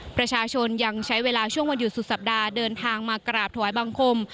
ประชาชนยังใช้เวลาช่วงวันหยุดสุดสัปดาห์เดินทางมากราบถวายบังคม